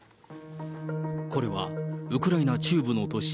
これはウクライナ中部の都市